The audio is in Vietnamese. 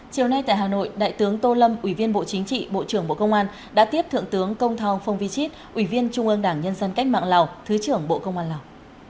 chiều nay tại hà nội đại tướng tô lâm ủy viên bộ chính trị bộ trưởng bộ công an đã tiếp thượng tướng công thong phong vi chít ủy viên trung ương đảng nhân dân cách mạng lào thứ trưởng bộ công an lào